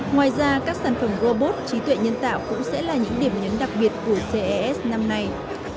ngoài ra các sản phẩm robot trí tuệ nhân tạo cũng sẽ là những điểm nhấn đặc biệt của ces năm nay